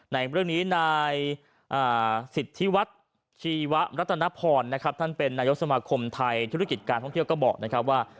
ในเรื่องนี้นายสิทธิวัฒน์ชีวรัตนพรนะครับท่านเป็นนายกสมาคมไทยธุรกิจการท่องเที่ยวก็บอกนะครับว่า